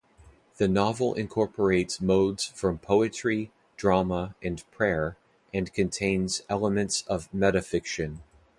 The novel incorporates modes from poetry, drama and prayer, and contains elements of metafiction.